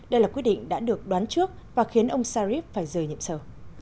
đây là quyết định đã được đoán trước và khiến ông sharif phải rời nhiệm sở